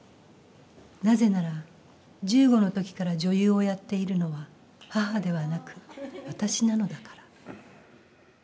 なぜなら１５の時から女優をやっているのは母ではなく私なのだから。